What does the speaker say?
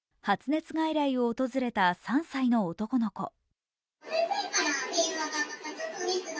発熱外来を訪れた３歳の男の子。